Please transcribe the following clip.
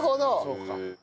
そうか。